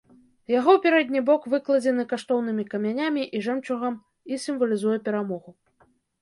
Яго пярэдні бок выкладзена каштоўнымі камянямі і жэмчугам і сімвалізуе перамогу.